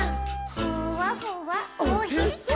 「ふわふわおへそ」